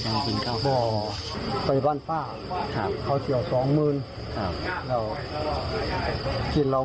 แค่ไปเลยไปบ้านน้ำบ่อนไปหาหญิงคนอีกหรอก